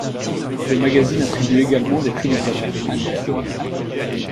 Le magazine attribue également des prix littéraires annuels.